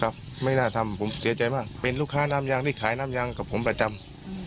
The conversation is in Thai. ไม่น่าทำผมเสียใจมากเป็นลูกค้าน้ำยางที่ขายน้ำยางกับผมประจำ